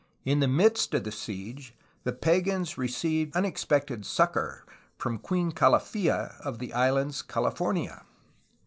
In the midst of the siege the pagans received unexpected succor from Queen Calafla of the island California.